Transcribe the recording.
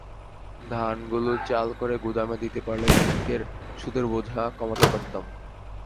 ধানগুলো চাল করে গুদামে দিতে পারলে ব্যাংকের সুদের বোঝা কমাতে পারতাম।